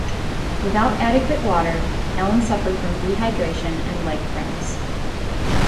Without adequate water, Allen suffered from dehydration and leg cramps.